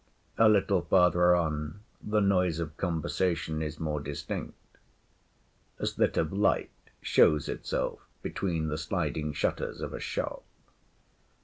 A little farther on, the noise of conversation is more distinct. A slit of light shows itself between the sliding shutters of a shop.